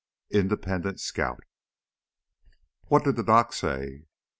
15 Independent Scout "What did the doc say?"